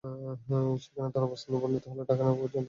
সেখানে তাঁর অবস্থার অবনতি হলে ঢাকা নেওয়ার পথে তাঁর মৃত্যু হয়।